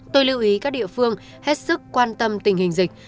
tôi lưu ý các địa phương hết sức quan tâm tình hình dịch